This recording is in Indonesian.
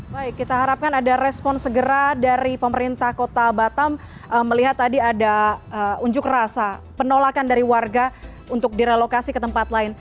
baik kita harapkan ada respon segera dari pemerintah kota batam melihat tadi ada unjuk rasa penolakan dari warga untuk direlokasi ke tempat lain